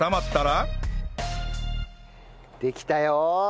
できたよ！